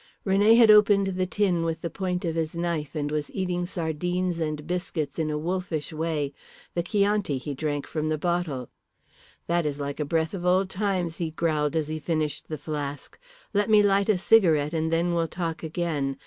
René had opened the tin with the point of his knife, and was eating sardines and biscuits in a wolfish way. The Chianti he drank from the bottle. "That is like a breath of old times," he growled, as he finished the flask. "Let me light a cigarette and then we'll talk again.